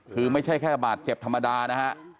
คือไม่ใช่แค่บาดเจ็บธรรมดานะฮะ